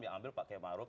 ya ambil pak kemaruk